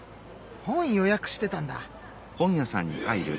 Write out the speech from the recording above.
本予約してたんだ。